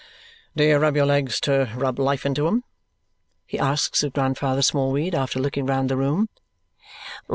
"Do you rub your legs to rub life into 'em?" he asks of Grandfather Smallweed after looking round the room.